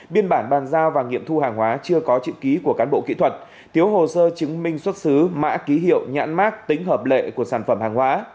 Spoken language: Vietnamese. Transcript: biên bản bàn giao và nghiệm thu hàng hóa chưa có chữ ký của cán bộ kỹ thuật thiếu hồ sơ chứng minh xuất xứ mã ký hiệu nhãn mát tính hợp lệ của sản phẩm hàng hóa